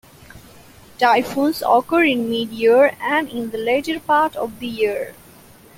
Typhoons occur in mid-year and in the later part of the year.